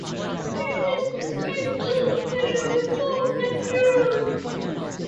It was described thus by a writer of that period.